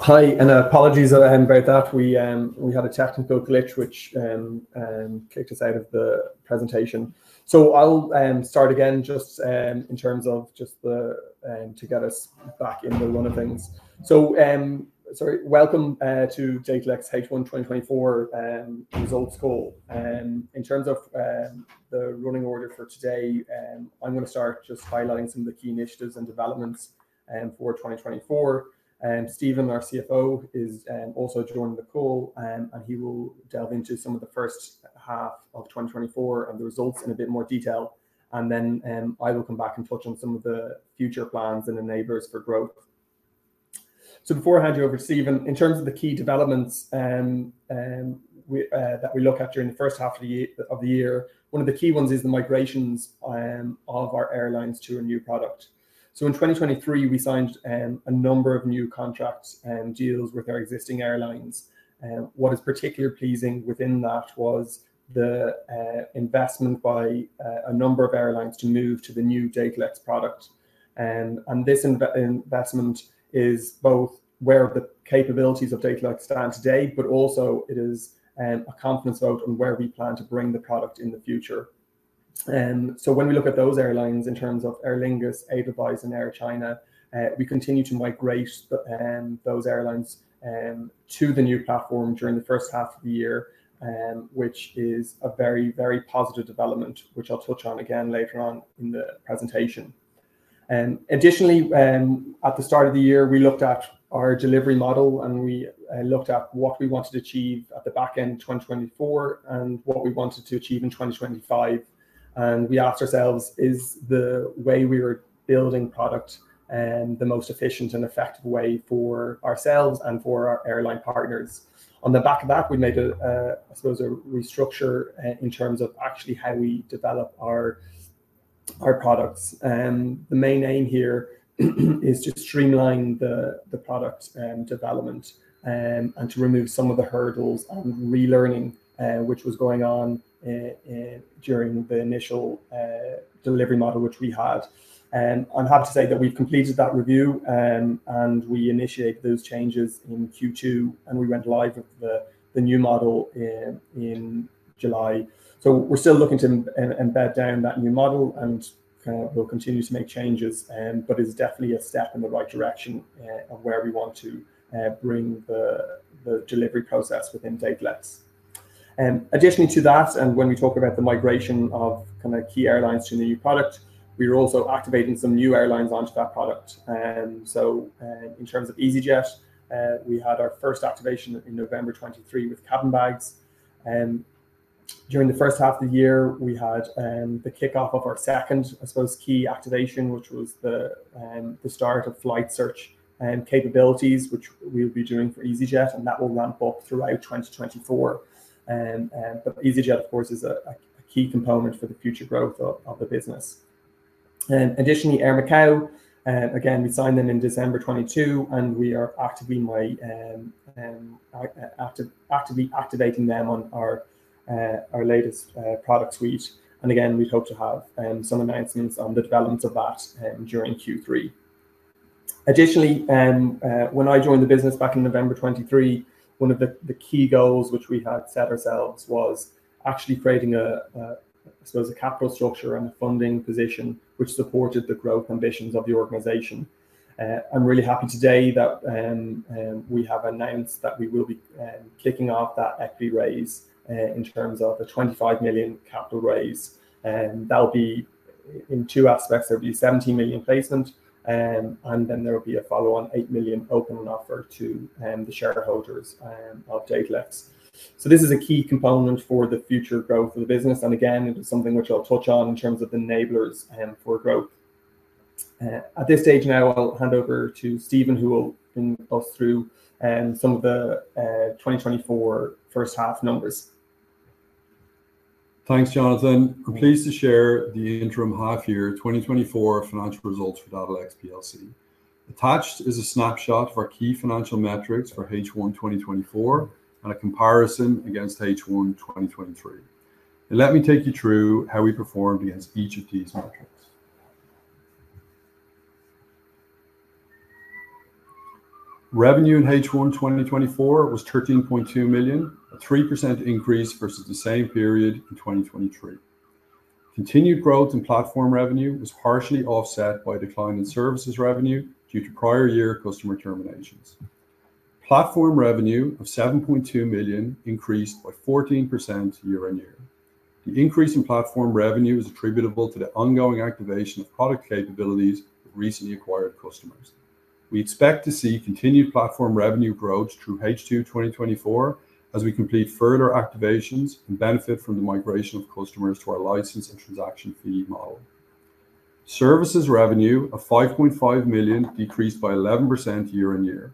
Hi, and apologies about that. We had a technical glitch, which kicked us out of the presentation. So I'll start again, just in terms of just the to get us back into the run of things. So welcome to Datalex H1 2024 results call. In terms of the running order for today, I'm gonna start just highlighting some of the key initiatives and developments for 2024. And Steven, our CFO, is also joining the call, and he will delve into some of the first half of 2024 and the results in a bit more detail. And then I will come back and touch on some of the future plans and enablers for growth. So before I hand you over to Steven, in terms of the key developments, we that we look at during the first half of the year, one of the key ones is the migrations of our airlines to a new product. So in 2023, we signed a number of new contracts and deals with our existing airlines. What is particularly pleasing within that was the investment by a number of airlines to move to the new Datalex product. And this investment is both where the capabilities of Datalex stand today, but also it is a confidence vote on where we plan to bring the product in the future. So when we look at those airlines in terms of Aer Lingus, Edelweiss, and Air China, we continue to migrate those airlines to the new platform during the first half of the year, which is a very, very positive development, which I'll touch on again later on in the presentation. Additionally, at the start of the year, we looked at our delivery model, and we looked at what we wanted to achieve at the back end of 2024 and what we wanted to achieve in 2025, and we asked ourselves, "Is the way we are building product the most efficient and effective way for ourselves and for our airline partners?" On the back of that, we made a, I suppose, a restructure in terms of actually how we develop our products. The main aim here is to streamline the product development and to remove some of the hurdles on relearning which was going on during the initial delivery model which we had. And I'm happy to say that we've completed that review and we initiate those changes in Q2, and we went live with the new model in July. So we're still looking to embed down that new model, and we'll continue to make changes, but it's definitely a step in the right direction of where we want to bring the delivery process within Datalex. Additionally to that, and when we talk about the migration of kind of key airlines to the new product, we are also activating some new airlines onto that product. So, in terms of easyJet, we had our first activation in November 2023 with cabin bags. During the first half of the year, we had the kickoff of our second, I suppose, key activation, which was the start of flight search and capabilities, which we'll be doing for easyJet, and that will ramp up throughout 2024, but easyJet, of course, is a key component for the future growth of the business. Additionally, Air Macau, again, we signed them in December 2022, and we are actively activating them on our latest product suite, and again, we hope to have some announcements on the developments of that during Q3. Additionally, when I joined the business back in November 2023, one of the key goals which we had set ourselves was actually creating a capital structure and a funding position, which supported the growth ambitions of the organization. I'm really happy today that we have announced that we will be kicking off that equity raise in terms of the 25 million capital raise, and that'll be in two aspects. There'll be 17 million placement, and then there will be a follow-on 8 million open offer to the shareholders of Datalex. So this is a key component for the future growth of the business, and again, it is something which I'll touch on in terms of enablers for growth. At this stage now, I'll hand over to Steven, who will bring us through some of the 2024 first half numbers. Thanks, Jonathan. We're pleased to share the interim half year 2024 financial results for Datalex PLC. Attached is a snapshot of our key financial metrics for H1 2024, and a comparison against H1 2023. Let me take you through how we performed against each of these metrics. Revenue in H1 2024 was 13.2 million, a 3% increase versus the same period in 2023. Continued growth in platform revenue was partially offset by a decline in services revenue due to prior year customer terminations. Platform revenue of 7.2 million increased by 14% year on year. The increase in platform revenue is attributable to the ongoing activation of product capabilities of recently acquired customers. We expect to see continued platform revenue growth through H2 2024, as we complete further activations and benefit from the migration of customers to our license and transaction fee model. Services revenue of 5.5 million decreased by 11% year on year.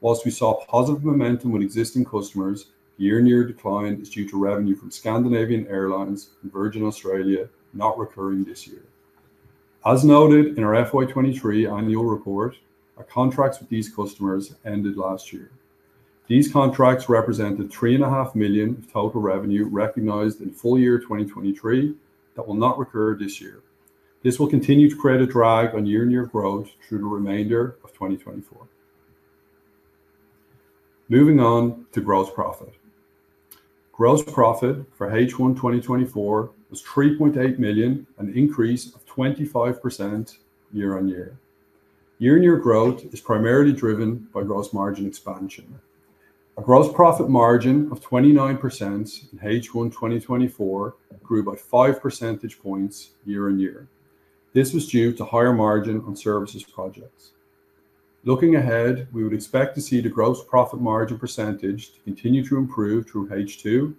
While we saw positive momentum with existing customers, year-on-year decline is due to revenue from Scandinavian Airlines and Virgin Australia not recurring this year. As noted in our FY23 annual report, our contracts with these customers ended last year. These contracts represented 3.5 million of total revenue recognized in full year 2023 that will not recur this year. This will continue to create a drag on year-on-year growth through the remainder of 2024. Moving on to gross profit. Gross profit for H1 2024 was 3.8 million, an increase of 25% year on year. Year-on-year growth is primarily driven by gross margin expansion. A gross profit margin of 29% in H1 2024 grew by five percentage points year on year. This was due to higher margin on services projects. Looking ahead, we would expect to see the gross profit margin percentage to continue to improve through H2,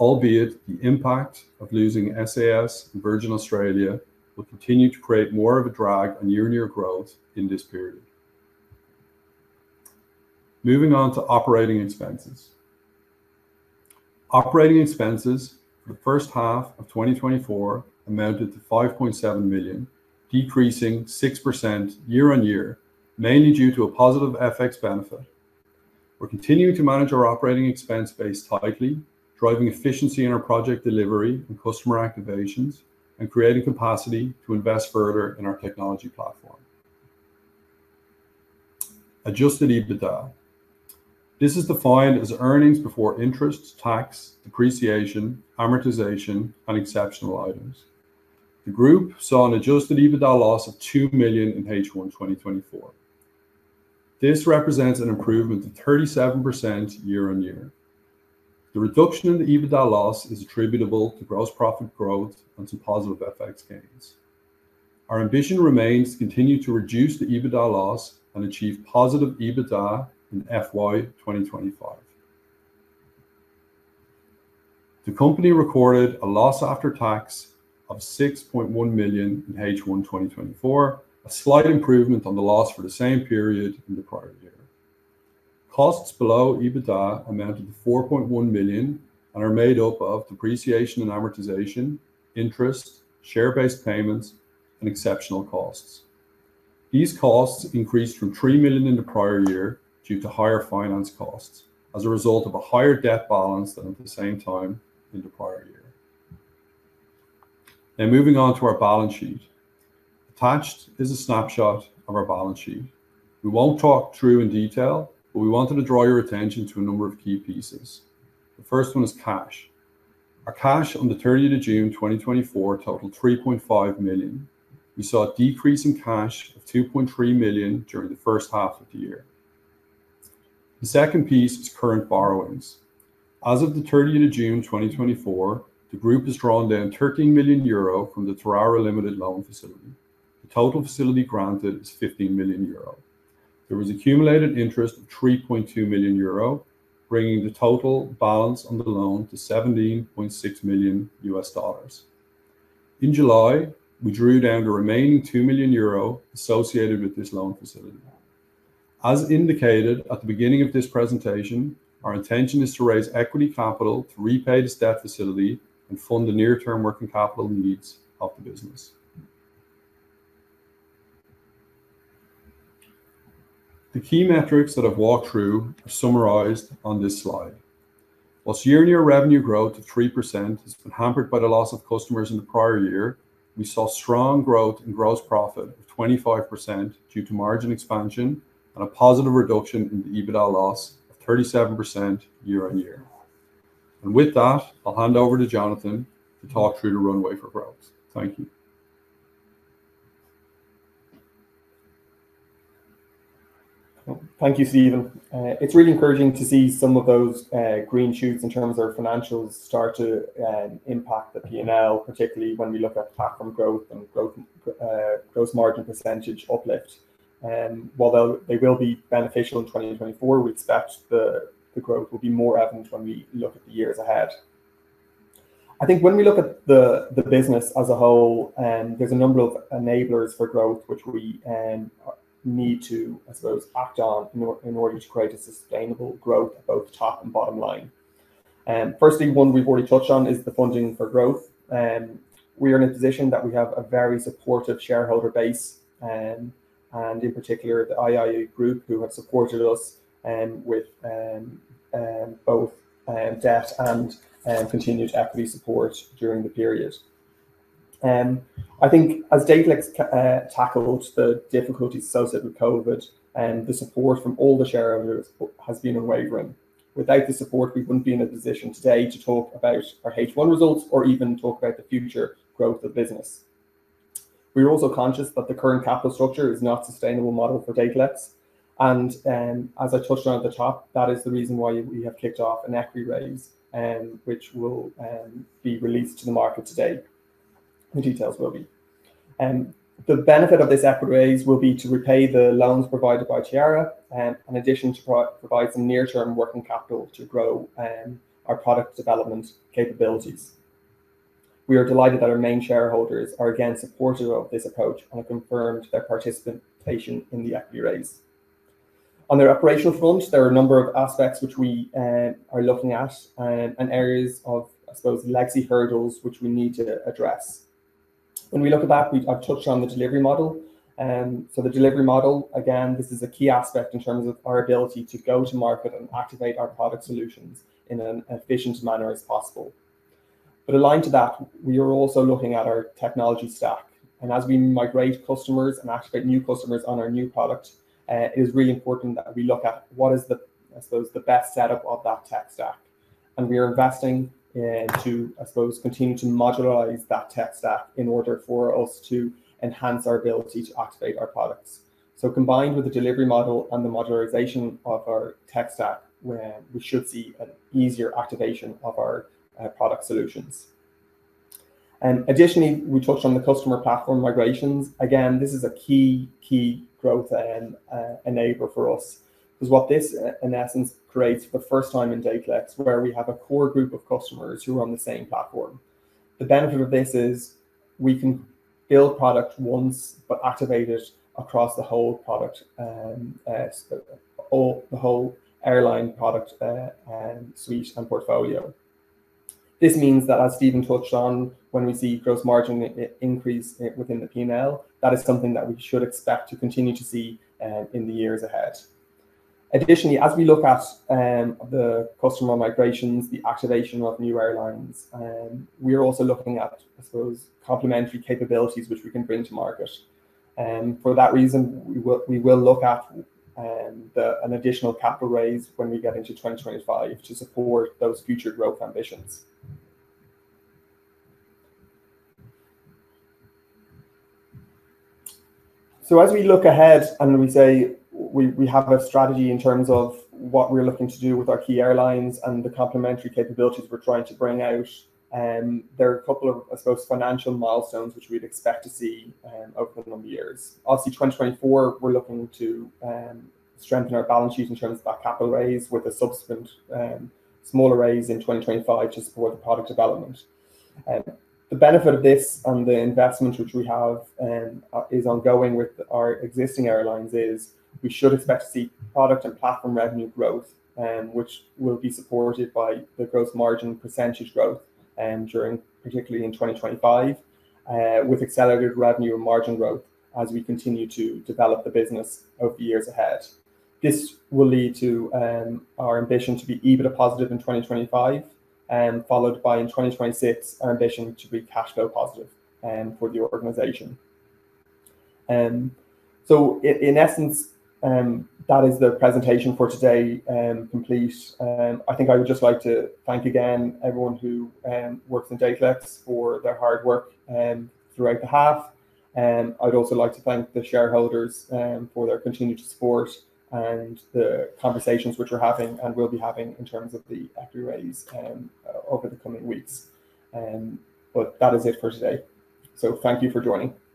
albeit the impact of losing SAS and Virgin Australia will continue to create more of a drag on year-on-year growth in this period. Moving on to operating expenses. Operating expenses for the first half of 2024 amounted to 5.7 million, decreasing 6% year on year, mainly due to a positive FX benefit. We're continuing to manage our operating expense base tightly, driving efficiency in our project delivery and customer activations, and creating capacity to invest further in our technology platform. Adjusted EBITDA. This is defined as earnings before interest, tax, depreciation, amortization, and exceptional items. The group saw an adjusted EBITDA loss of 2 million in H1 2024. This represents an improvement of 37% year on year. The reduction in the EBITDA loss is attributable to gross profit growth and some positive FX gains. Our ambition remains to continue to reduce the EBITDA loss and achieve positive EBITDA in FY 2025. The company recorded a loss after tax of 6.1 million in H1 2024, a slight improvement on the loss for the same period in the prior year. Costs below EBITDA amounted to 4.1 million and are made up of depreciation and amortization, interest, share-based payments, and exceptional costs. These costs increased from 3 million in the prior year due to higher finance costs as a result of a higher debt balance than at the same time in the prior year. Now, moving on to our balance sheet. Attached is a snapshot of our balance sheet. We won't talk through in detail, but we wanted to draw your attention to a number of key pieces. The first one is cash. Our cash on 30 June 2024 totaled 3.5 million. We saw a decrease in cash of 2.3 million during the first half of the year. The second piece is current borrowings. As of 30 June 2024, the group has drawn down 13 million euro from the Tireragh Limited loan facility. The total facility granted is 15 million euro. There was accumulated interest of 3.2 million euro, bringing the total balance on the loan to $17.6 million. In July, we drew down the remaining 2 million euro associated with this loan facility. As indicated at the beginning of this presentation, our intention is to raise equity capital to repay this debt facility and fund the near-term working capital needs of the business. The key metrics that I've walked through are summarized on this slide. While year-on-year revenue growth of 3% has been hampered by the loss of customers in the prior year, we saw strong growth in gross profit of 25% due to margin expansion and a positive reduction in the EBITDA loss of 37% year on year. With that, I'll hand over to Jonathan to talk through the runway for growth. Thank you. Thank you, Stephen. It's really encouraging to see some of those green shoots in terms of our financials start to impact the P&L, particularly when we look at platform growth and growth, gross margin percentage uplift. While they will be beneficial in 2024, we expect the growth will be more evident when we look at the years ahead. I think when we look at the business as a whole, there's a number of enablers for growth, which we need to, I suppose, act on in order to create a sustainable growth at both top and bottom line. Firstly, one we've already touched on is the funding for growth. We are in a position that we have a very supportive shareholder base. And in particular, the IIU Group, who have supported us with both debt and continued equity support during the period. I think as Datalex tackled the difficulties associated with COVID, and the support from all the shareholders has been unwavering. Without the support, we wouldn't be in a position today to talk about our H1 results or even talk about the future growth of business. We are also conscious that the current capital structure is not a sustainable model for Datalex, and as I touched on at the top, that is the reason why we have kicked off an equity raise, which will be released to the market today. The details will be. The benefit of this equity raise will be to repay the loans provided by Tireragh, in addition to provide some near-term working capital to grow our product development capabilities. We are delighted that our main shareholders are again supportive of this approach and have confirmed their participation in the equity raise. On the operational front, there are a number of aspects which we are looking at, and areas of, I suppose, legacy hurdles, which we need to address. When we look at that, I've touched on the delivery model. So the delivery model, again, this is a key aspect in terms of our ability to go to market and activate our product solutions in an efficient manner as possible. But aligned to that, we are also looking at our technology stack, and as we migrate customers and activate new customers on our new product, it is really important that we look at what is the, I suppose, the best setup of that tech stack. And we are investing to, I suppose, continue to modularize that tech stack in order for us to enhance our ability to activate our products. So combined with the delivery model and the modularization of our tech stack, where we should see an easier activation of our product solutions. And additionally, we touched on the customer platform migrations. Again, this is a key, key growth and enabler for us, because what this, in essence, creates for the first time in Datalex, where we have a core group of customers who are on the same platform. The benefit of this is we can build product once, but activate it across the whole product, the whole airline product, suite and portfolio. This means that, as Steven touched on, when we see gross margin increase within the P&L, that is something that we should expect to continue to see, in the years ahead. Additionally, as we look at, the customer migrations, the activation of new airlines, we are also looking at, I suppose, complementary capabilities which we can bring to market, and for that reason, we will look at, an additional capital raise when we get into twenty twenty-five to support those future growth ambitions. So as we look ahead and we say, we have a strategy in terms of what we're looking to do with our key airlines and the complementary capabilities we're trying to bring out, there are a couple of, I suppose, financial milestones which we'd expect to see over the coming years. Obviously, 2024, we're looking to strengthen our balance sheet in terms of that capital raise, with a subsequent smaller raise in 2025 to support the product development. The benefit of this and the investment which we have is ongoing with our existing airlines, is we should expect to see product and platform revenue growth, which will be supported by the gross margin percentage growth, during particularly in 2025, with accelerated revenue and margin growth as we continue to develop the business over the years ahead. This will lead to our ambition to be EBITDA positive in 2025, followed by in 2026, our ambition to be cash flow positive for the organization. So in essence, that is the presentation for today, complete. I think I would just like to thank again everyone who works in Datalex for their hard work throughout the half. And I'd also like to thank the shareholders for their continued support and the conversations which we're having and will be having in terms of the equity raise over the coming weeks. But that is it for today. So thank you for joining.